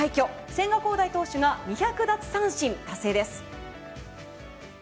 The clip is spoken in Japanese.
千賀滉大投手が２００奪三振達成です。